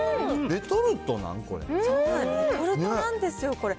レトルトなんですよ、これ。